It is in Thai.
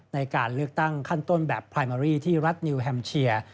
ในการเลือกตั้งขั้นต้นแบบพลายเมอรี่ที่รัฐนิวแฮมเชีย